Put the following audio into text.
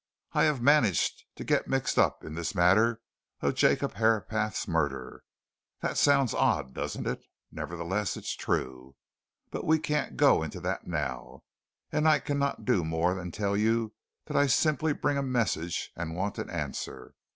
I have managed to get mixed up in this matter of Jacob Herapath's murder! That sounds odd, doesn't it? nevertheless, it's true. But we can't go into that now. And I cannot do more than tell you that I simply bring a message and want an answer.